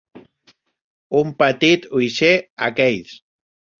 Un petit uixer a Keith's.